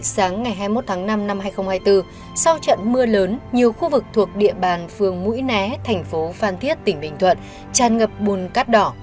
sáng ngày hai mươi một tháng năm năm hai nghìn hai mươi bốn sau trận mưa lớn nhiều khu vực thuộc địa bàn phường mũi né thành phố phan thiết tỉnh bình thuận tràn ngập bùn cát đỏ